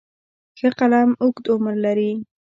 ښه قلم اوږد عمر لري.